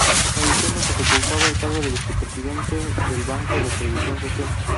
Falleció mientras ocupaba el cargo de vicepresidente del Banco de Previsión Social.